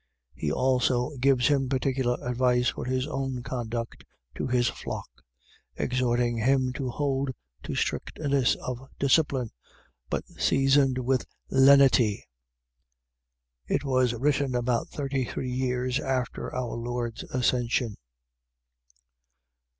He also gives him particular advice for his own conduct to his flock, exhorting him to hold to strictness of discipline, but seasoned with lenity. It was written about thirty three years after our Lord's Ascension.